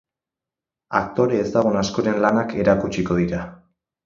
Aktore ezagun askoren lanak erakutsiko dira.